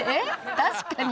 確かに。